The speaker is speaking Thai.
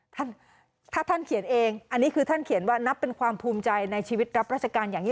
ท่านถ้าท่านเขียนเองอันนี้คือท่านเขียนว่านับเป็นความภูมิใจในชีวิตรับราชการอย่างนี้